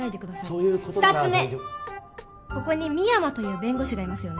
そういうことなら２つ目ここに深山という弁護士がいますよね